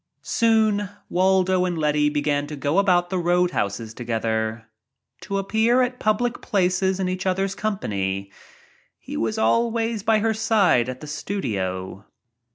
Soon Waldo and Letty began to go about the roadhouses together; to appear at public places in each other's company. He was always by her side at the studio.